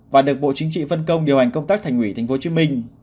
và được bộ chính trị phân công điều hành công tác thành ủy tp hcm